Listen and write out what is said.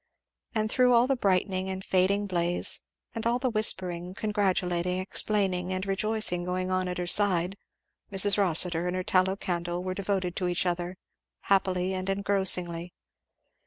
And through all the brightening and fading blaze, and all the whispering, congratulating, explaining, and rejoicing going on at her side, Mrs. Rossitur and her tallow candle were devoted to each other, happily and engrossingly.